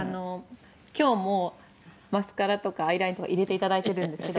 今日もマスカラとかアイラインとか入れていただいてるんですけど。